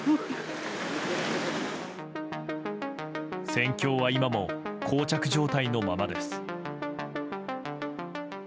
戦況は今も膠着状態のままです。